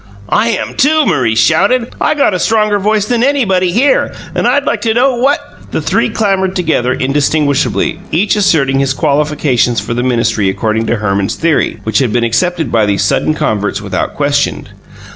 "I am, too!" Maurice shouted. "I got a stronger voice than anybody here, and I'd like to know what " The three clamoured together indistinguishably, each asserting his qualifications for the ministry according to Herman's theory, which had been accepted by these sudden converts without question.